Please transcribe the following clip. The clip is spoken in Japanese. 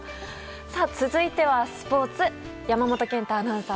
続いては、スポーツ山本健太アナウンサー。